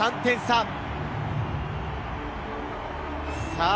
さあ